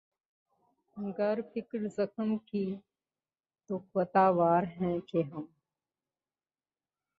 گر فکرِ زخم کی تو خطاوار ہیں کہ ہم